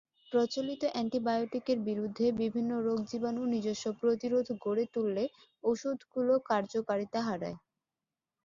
প্রচলিত অ্যান্টিবায়োটিকের বিরুদ্ধে বিভিন্ন রোগজীবাণু নিজস্ব প্রতিরোধ গড়ে তুললে ওষুধগুলো কার্যকারিতা হারায়।